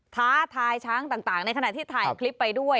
ท้าทายช้างต่างในขณะที่ถ่ายคลิปไปด้วย